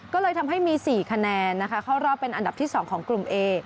ก็เลยทำให้มี๔คะแนนนะคะเข้ารอบเป็นอันดับที่๒ของกลุ่มเอ